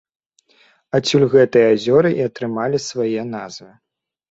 Адсюль гэтыя азёры і атрымалі свае назвы.